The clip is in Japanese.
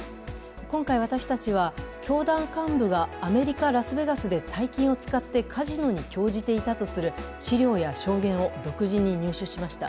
今回、私たちは教団幹部がアメリカ・ラスベガスで大金を使ってカジノに興じていたとする資料や証言を独自に入手しました。